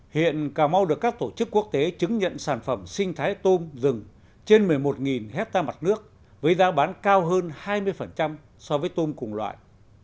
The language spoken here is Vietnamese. hiện cà mau được các tổ chức quốc tế chứng nhận sản phẩm sinh thái tôm rừng trên một mươi một hectare mặt nước với giá bán cao hơn hai mươi so với tôm cùng loại